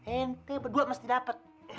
ente berdua mesti dapet